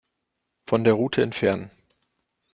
Von der Route entfernen.